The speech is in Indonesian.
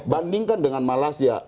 bandingkan dengan malas ya